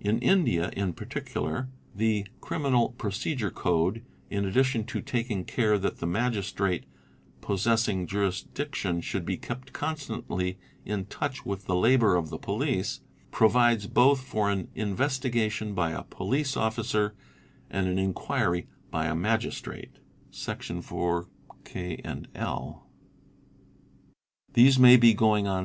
In India in particular, the Criminal Procedure Code, in addition to taking care that the Magistrate possessing jurisdiction should be kept constantly in touch with the labour of the police, provides both for an " Investiga tion'' by a police officer and an '"'Inquiry" by a Magistrate [Section 4, (k) and (l)|]. These may be going on.